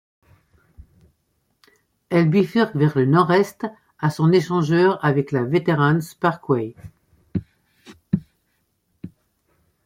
Elle bifurque vers le nord-est à son échangeur avec la Veterans pkwy.